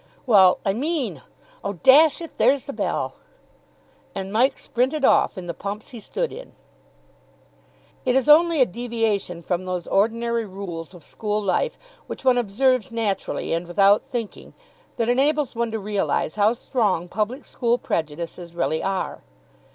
"Well, I mean Oh, dash it, there's the bell." And Mike sprinted off in the pumps he stood in. It is only a deviation from those ordinary rules of school life, which one observes naturally and without thinking, that enables one to realise how strong public school prejudices really are.